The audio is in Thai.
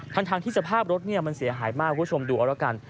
ทั้งที่สภาพรถมันเสียหายมากคุณผู้ชมดูเอาละกัน